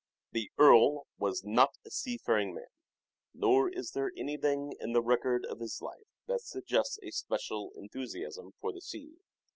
The Earl was not a seafaring man, nor is there anything in the record of his life that suggests a special enthusiasm for the sea.